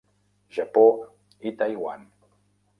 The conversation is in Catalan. Japó i Taiwan.